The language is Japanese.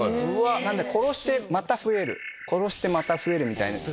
なので殺してまた増える殺してまた増えるみたいな。